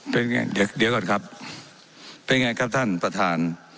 เป็นยังไงเดี๋ยวก่อนครับเป็นยังไงครับท่านประธาน